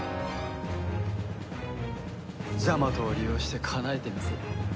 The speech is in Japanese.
ジャマトを利用してかなえてみせる。